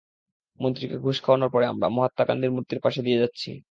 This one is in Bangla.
মন্ত্রীকে ঘুষ খাওয়ানোর পরে আমরা, মহাত্মা গান্ধীর মুর্তির পাশ দিয়ে যাচ্ছি।